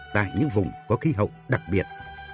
tại những vùng có khí hậu đặc biệt